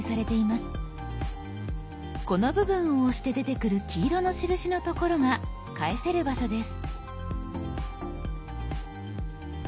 この部分を押して出てくる黄色の印のところが返せる場所です。